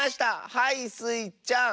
はいスイちゃん。